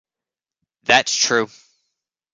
That's true.